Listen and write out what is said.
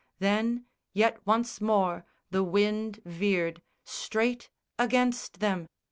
Then, yet once more The wind veered, straight against them.